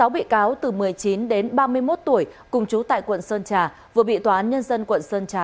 sáu bị cáo từ một mươi chín đến ba mươi một tuổi cùng chú tại quận sơn trà vừa bị tòa án nhân dân quận sơn trà